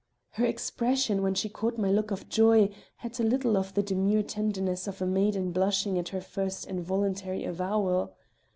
Her expression when she caught my look of joy had little of the demure tenderness of a maiden blushing at her first involuntary avowal.